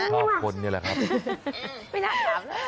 ชอบคนเนี่ยแหละครับ